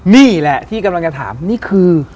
นี่แหละที่กำลังจะถามนี่คือ